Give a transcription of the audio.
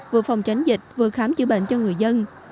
vừa phòng tránh dịch vừa khám chữa bệnh cho người dân